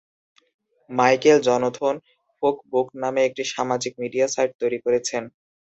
Michael Jonathan ফোক-বুক নামে একটি সামাজিক মিডিয়া সাইট তৈরি করেছেন।